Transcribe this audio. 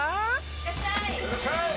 ・いらっしゃい！